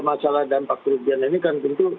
masalah dampak kerugian ini kan tentu